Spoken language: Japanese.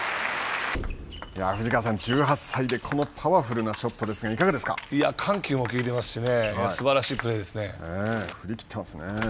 藤川さん、１８歳でこのパワフルなショットですが緩急もきいてますし振り切ってますね。